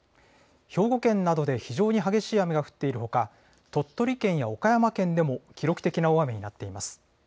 兵庫県などで非常に激しい雨が降っているほか、鳥取県や岡山県でも、記録的な大雨になっています。